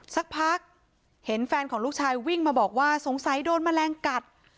สักพักเห็นแฟนของลูกชายวิ่งมาบอกว่าสงสัยโดนแมลงกัด